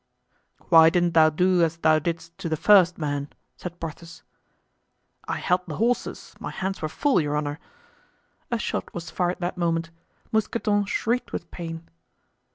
"Why didn't thou do as thou didst to the first man?" said Porthos. "I held the horses, my hands were full, your honor." A shot was fired that moment; Mousqueton shrieked with pain.